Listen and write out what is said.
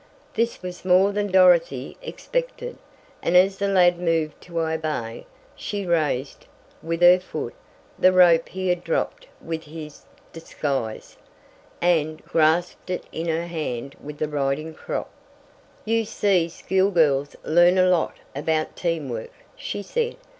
This was more than Dorothy expected, and as the lad moved to obey, she raised, with her foot, the rope he had dropped with his disguise, and grasped it in her hand with the riding crop. "You see school girls learn a lot about 'team work,'" she said.